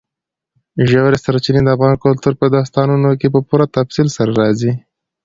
ژورې سرچینې د افغان کلتور په داستانونو کې په پوره تفصیل سره راځي.